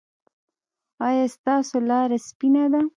ایا ستاسو لاره سپینه ده؟